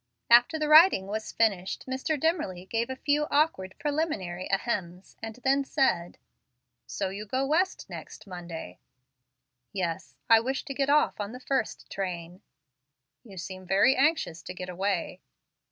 After the writing was finished, Mr. Dimmerly gave a few awkward preliminary ahems, and then said, "So you go West next Monday?" "Yes. I wish to get off on the first train." "You seem very anxious to get away."